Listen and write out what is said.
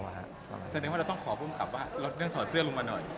แสดงว่าเราต้องขอภูมิกับว่าลดเรื่องถอดเสื้อลงมาหน่อย